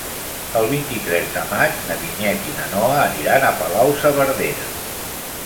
El vint-i-tres de maig na Vinyet i na Noa aniran a Palau-saverdera.